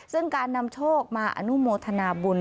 ซึ่งการนำโชคมาอนุโมทนาบุญ